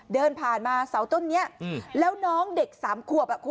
เดินผ่านมาเสาต้นนี้แล้วน้องเด็กสามขวบ